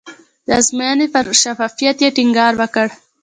د ازموینې پر شفافیت یې ټینګار وکړ.